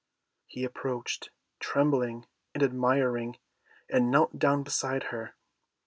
He approached, trembling and admiring, and knelt down beside her.